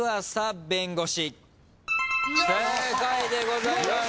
正解でございます。